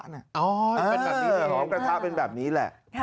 อ๋อหอมกระทะเป็นแบบนี้แหละ